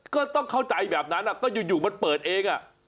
ก็ต้องเข้าใจแบบนั้นก็อยู่มันเปิดเอง